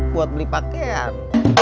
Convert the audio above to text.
buat beli pakaian